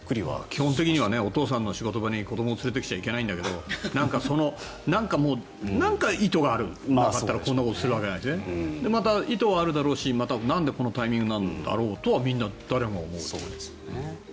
基本的にはお父さんの仕事場に子どもを連れてきてはいけないんだけどなんか、意図があるなかったからこんなことするわけないですよねまた、意図はあるだろうしなんでこのタイミングだろうとは誰もが思うと。